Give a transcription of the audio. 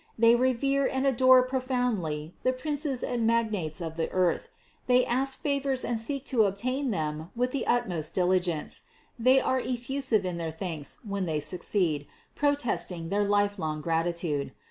They revere and adore pro foundly the princes and magnates of the earth ; they ask favors and seek to obtain them with the utmost diligence ; they are effusive in their thanks, when they succeed, pro THE CONCEPTION 439 testing their lifelong gratitude.